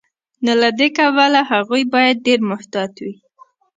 نو له دې کبله هغوی باید ډیر محتاط وي.